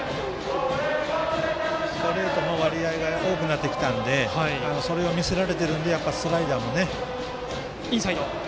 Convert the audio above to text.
ストレートの割合が多くなってきたのでそれを見せられているのでやっぱり、スライダーもね。